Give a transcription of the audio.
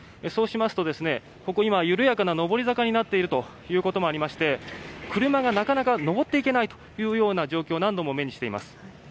そうしますと今、緩やかな上り坂になっているということもありまして車がなかなか上っていけないというような状況を何度も目にしています。